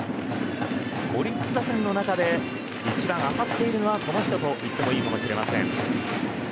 オリックス打線の中で一番当たっているのはこの人といってもいいかもしれません。